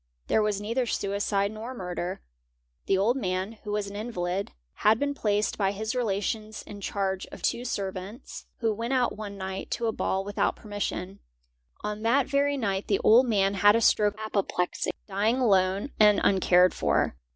There was neither suicide nor murder. The old man, who Was an invalid, had been placed by his relations in charge of two ser a nts, who went out one night toa ball without permission. On that 644 BODILY INJURIES very night the old man had a stroke of apoplexy, dying alone and un cared for.